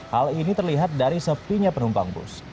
hal ini terlihat dari sepinya penumpang bus